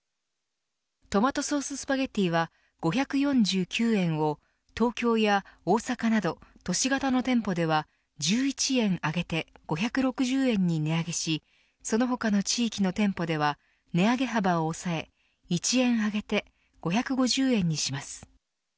トマトソーススパゲティは５４９円を東京や大阪など都市型の店舗では１１円上げて５６０円に値上げしその他の地域の店舗では値上げ幅を抑え１円上げて５５０円にします。